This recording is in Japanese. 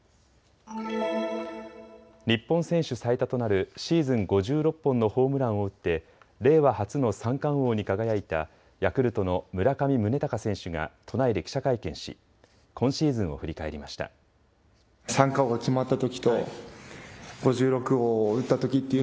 日本選手最多となるシーズン５６本のホームランを打って令和初の三冠王に輝いたヤクルトの村上宗隆選手が都内で記者会見し、今シーズンを振り返りました。